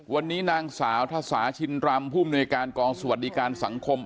วันนี้นางสาวทสาชินรำผู้มนวยการกองสวัสดิการสังคม